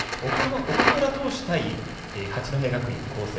岡村投手対八戸学院光星。